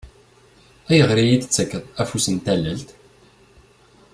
Ayɣer i iyi-d-tettakkeḍ afus n talalt?